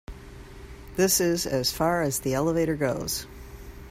This is as far as the elevator goes.